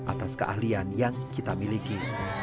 atas keahlian yang kita miliki